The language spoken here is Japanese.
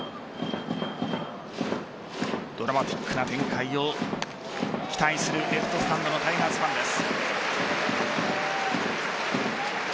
ドラマティックな展開を期待するレフトスタンドのタイガースファンです。